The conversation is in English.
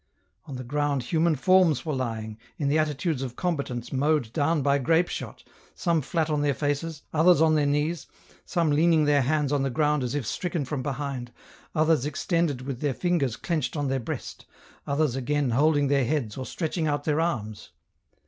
On the ground human forms were lying, in the attitudes of combatants mowed down by grape shot, some flat on their faces, others on their knees, some leaning their hands on the ground as if stricken from behind, others extended with their fingers clenched on their breast, others again holding their heads or stretching out their arms.